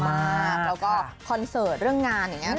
แล้วก็คอนเสิร์ตเรื่องงาน